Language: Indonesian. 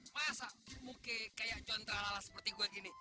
masa mungkin kayak jontralala seperti gue gini